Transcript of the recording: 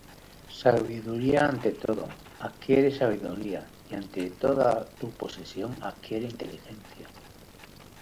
Sabiduría ante todo: adquiere sabiduría: Y ante toda tu posesión adquiere inteligencia.